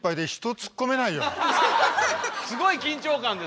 すごい緊張感ですねえ。